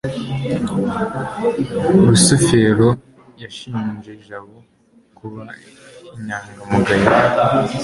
rusufero yashinje jabo kuba inyangamugayo